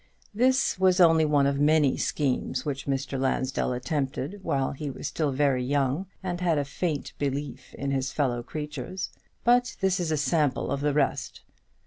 This was only one of many schemes which Mr. Lansdell attempted while he was still very young, and had a faint belief in his fellow creatures: but this is a sample of the rest.